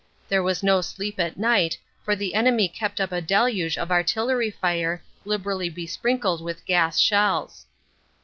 There was no sleep at night for the enemy kept up a deluge of artillery fire liberally besprinkled with gas shells.